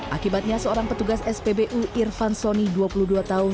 akibatnya seorang petugas spbu irfan soni dua puluh dua tahun